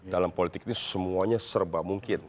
dalam politik ini semuanya serba mungkin